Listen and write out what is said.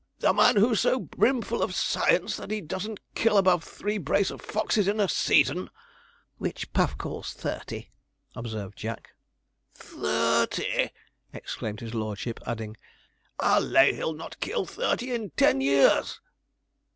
'The man who's so brimful of science that he doesn't kill above three brace of foxes in a season.' 'Which Puff calls thirty,' observed Jack. 'Th i r ty!' exclaimed his lordship, adding, 'I'll lay he'll not kill thirty in ten years.'